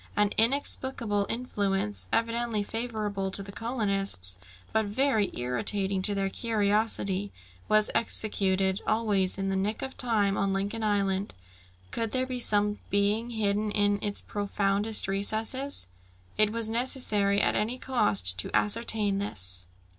An inexplicable influence, evidently favourable to the colonists, but very irritating to their curiosity, was executed always in the nick of time on Lincoln Island. Could there be some being hidden in its profoundest recesses? It was necessary at any cost to ascertain this.